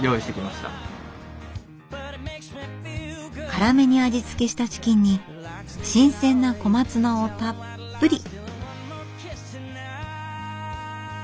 辛めに味付けしたチキンに新鮮な小松菜をたっぷり。